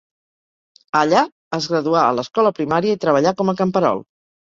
Allà, es graduà a l'escola primària i treballà com a camperol.